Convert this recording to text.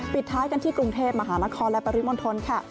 ปิดท้ายกันที่กรุงเทพมหานครและปริมณฑลค่ะ